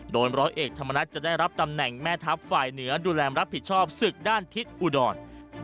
โดยร้อยเอกธรรมนัฐจะได้รับตำแหน่งแม่ทัพฝ่ายเหนือดูแลรับผิดชอบศึกด้านทิศอุดร